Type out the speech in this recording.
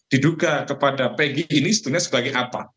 diduga kepada pegi ini sebenarnya sebagai apa